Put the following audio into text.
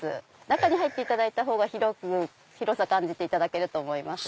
中に入っていただいたほうが広さ感じていただけると思います。